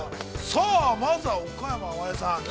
さあまずは、岡山天音さん。